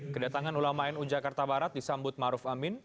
kedatangan ulama nu jakarta barat disambut maruf amin